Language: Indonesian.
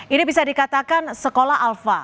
ini bisa dikatakan sekolah alpha